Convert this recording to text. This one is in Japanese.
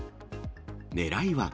ねらいは。